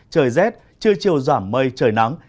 trời rét trưa chiều giảm mây trời nắng